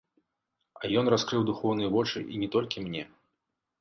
А ён раскрыў духоўныя вочы і не толькі мне.